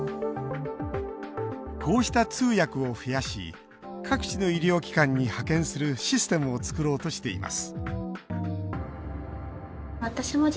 こうした通訳を増やし各地の医療機関に派遣するシステムを作ろうとしています